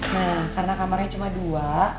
nah karena kamarnya cuma dua